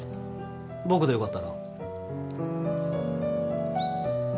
僕でよかったら。